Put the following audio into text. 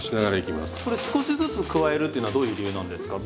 これ少しずつ加えるっていうのはどういう理由なんですか？